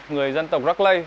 người dân tộc rắc lây